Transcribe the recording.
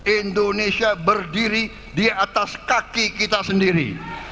indonesia berdiri di atas kaki kita sendiri